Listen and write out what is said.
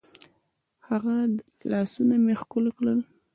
د هغه لاسونه مې ښکل کړل.